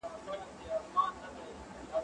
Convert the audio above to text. زه پرون اوبه پاکې کړې،